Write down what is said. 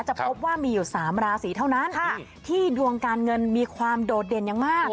พบว่ามีอยู่๓ราศีเท่านั้นที่ดวงการเงินมีความโดดเด่นอย่างมาก